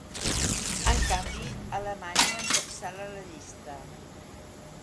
En canvi, Alemanya encapçala la llista.